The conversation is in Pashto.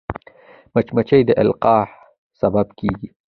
مچمچۍ د القاح سبب کېږي